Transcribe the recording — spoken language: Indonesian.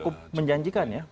cukup menjanjikan ya